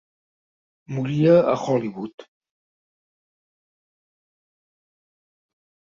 Moria a Hollywood.